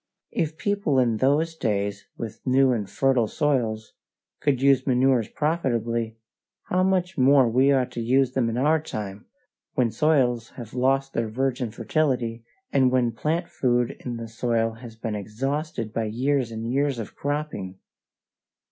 If people in those days, with new and fertile soils, could use manures profitably, how much more ought we to use them in our time, when soils have lost their virgin fertility, and when the plant food in the soil has been exhausted by years and years of cropping!